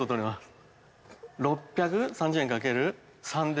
６３０円×３でもう元。